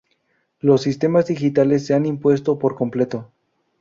Los sistemas digitales se han impuesto por completo.